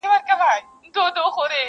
چي غمی یې وړﺉ نه را معلومېږي,